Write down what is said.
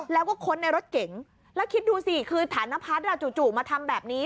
แล้วก็ค้นในรถเก๋งแล้วคิดดูสิคือฐานพัฒน์จู่มาทำแบบนี้